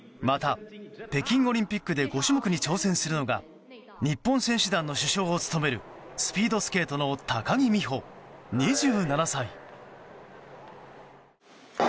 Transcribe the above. また北京オリンピックで５種目に挑戦するのが日本選手団の主将を務めるスピードスケートの高木美帆２７歳。